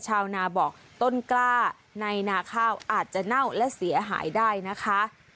ชาวนาบอกต้นกล้าในนาข้าวอาจจะเน่าและเสียหายได้นะคะ